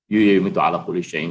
yuyyium itu'ala kulisya'in